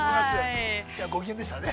ご機嫌でしたね。